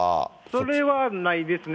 それはないですね。